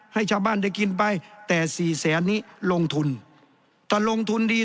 ให้ชาวบ้านได้กินไปแต่สี่แสนนี้ลงทุนถ้าลงทุนดี